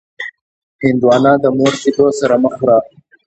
هندوانه د مور شیدو سره مه خوره.